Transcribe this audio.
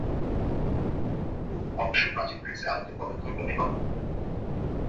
অবশ্য প্রাচীন গ্রীসে আলোকে পদার্থই মনে করা হত।